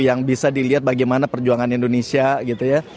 yang bisa dilihat bagaimana perjuangan indonesia gitu ya